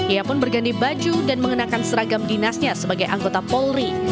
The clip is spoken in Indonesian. ia pun berganti baju dan mengenakan seragam dinasnya sebagai anggota polri